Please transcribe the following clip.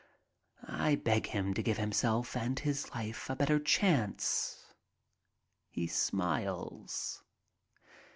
I beg him to give himself and his life a better chance. He smiles.